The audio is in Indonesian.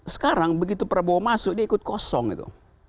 sekarang begitu prabowo masuk dia ikut kosong itu